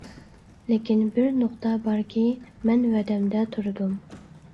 لېكىن بىر نۇقتا باركى مەن ۋەدەمدە تۇردۇم.